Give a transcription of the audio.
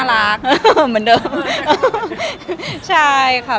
ทุกวันเมื่อกลับแม่ครับ